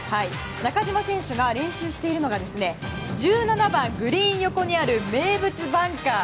中島選手が練習しているのが１７番、グリーン横にある名物バンカー。